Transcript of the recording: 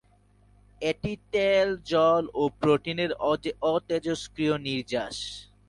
এটি তেল, জল ও প্রোটিনের অতেজস্ক্রিয় নির্যাস।